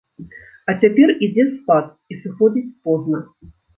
А цяпер ідзе спад, і сыходзіць позна.